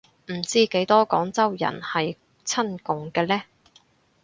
唔知幾多廣州人係親共嘅呢